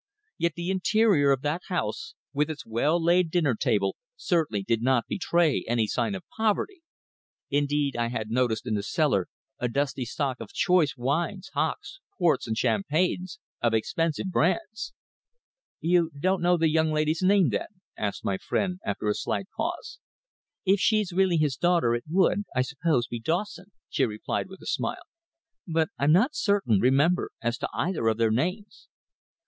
Yet the interior of that house, with its well laid dinner table, certainly did not betray any sign of poverty. Indeed, I had noticed in the cellar a dusty stock of choice wines, hocks, ports, and champagnes of expensive brands. "You don't know the young lady's name, then?" asked my friend, after a slight pause. "If she's really his daughter it would, I suppose, be Dawson," she replied with a smile. "But I'm not certain, remember, as to either of their names."